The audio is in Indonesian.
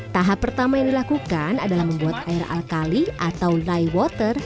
tahap pertama yang dilakukan adalah membuat air alkali atau light water